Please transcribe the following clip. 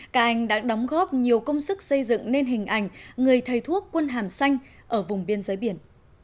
các anh đã đóng góp nhiều công sức xây dựng nên hình ảnh người thầy thuốc quân hàm xanh ở vùng biên giới biển